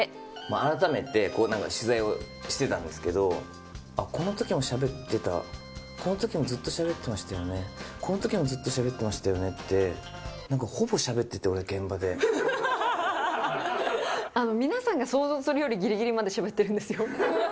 改めて、こうなんか、取材をしてたんですけど、このときもしゃべってた、このときもずっとしゃべってましたよね、このときもずっとしゃべってましたよねって、なんかほぼしゃべっ皆さんが想像するよりぎりぎりまでしゃべってるんですよ。